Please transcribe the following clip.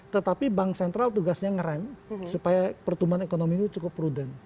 tetapi bank sentral tugasnya nge rem supaya pertumbuhan ekonomi cukup prudent